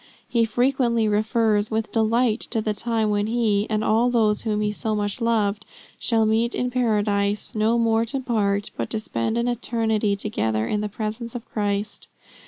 He frequently refers with delight to the time when he, and all those whom he so much loved, shall meet in Paradise, no more to part, but to spend an eternity together in the presence of Christ.